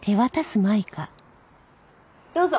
どうぞ。